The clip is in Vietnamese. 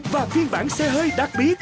và phiên bản xe hơi đặc biệt